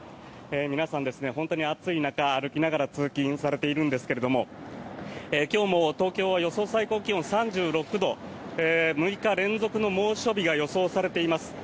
皆さん、本当に暑い中歩きながら通勤されているんですが今日も東京は予想最高気温３６度６日連続の猛暑日が予想されています。